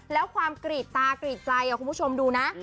แล้วความกรีดตากรีดใจคุณผู้ชมดูนะ